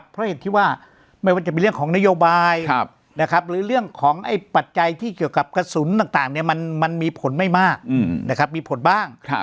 เพราะเหตุที่ว่าไม่ว่าจะเป็นเรื่องของนโยบายหรือเรื่องของปัจจัยที่เกี่ยวกับกระสุนต่างมันมีผลไม่มากมีผลบ้าง